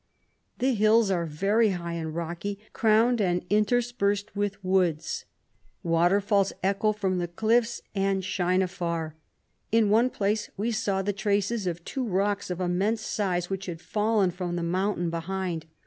The hills are very high and rocky, crowned and interspersed with woods. Water falls echo from the cliffs, and shine afar. In one place we saw the traces of two rocks of immense size, which had fallen from the mountain behind.